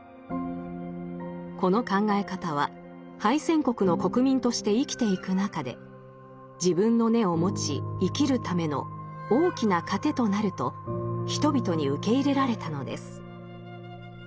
この考え方は敗戦国の国民として生きていく中で自分の根を持ち生きるための大きな糧となると人々に受け入れられたのです。